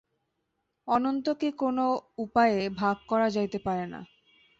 অনন্তকে কোন উপায়ে ভাগ করা যাইতে পারে না।